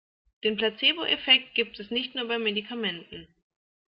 Den Placeboeffekt gibt es nicht nur bei Medikamenten.